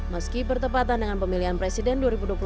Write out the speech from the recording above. meski bertepatan dengan pemilihan presiden dua ribu dua puluh empat